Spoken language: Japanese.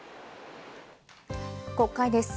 国会です。